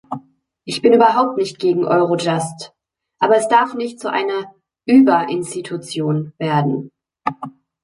Ich bin überhaupt nicht gegen Eurojust, aber es darf nicht zu einer "Über-Institution" werden.